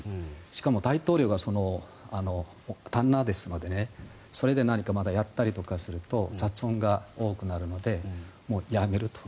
しかも大統領が旦那ですのでそれでまたやったりすると雑音が多くなるのでもうやめると。